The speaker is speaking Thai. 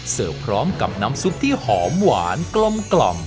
เสิร์ฟพร้อมกับน้ำซุปที่หอมหวานกล่อม